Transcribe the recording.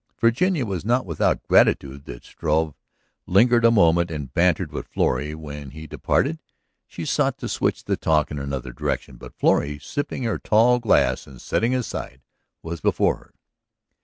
Virginia was not without gratitude that Struve lingered a moment and bantered with Florrie; when he departed she sought to switch the talk in another direction. But Florrie, sipping her tall glass and setting it aside, was before her.